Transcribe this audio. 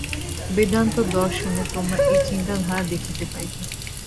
বেদান্ত দর্শনে তোমরা এই চিন্তাধারা দেখিতে পাইবে।